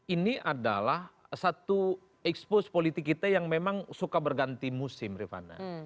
ini adalah satu expose politik kita yang memang suka berganti musim rifana